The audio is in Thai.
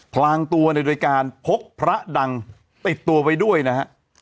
พลางตัวโดยการพกพระดังติดตัวไว้ด้วยนะฮะ